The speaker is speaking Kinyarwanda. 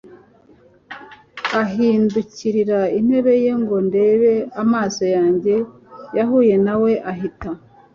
ahindukirira intebe ye ngo ndebe. amaso yanjye yahuye na we ahita